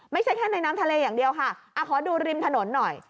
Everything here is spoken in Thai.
ไม่ใช่แค่ในน้ำทะเลอย่างเดียวค่ะขอดูริมถนนหน่อย